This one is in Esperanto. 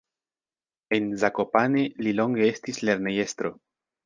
En Zakopane li longe estis lernejestro.